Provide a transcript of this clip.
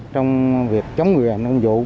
trong việc chống người hành động vụ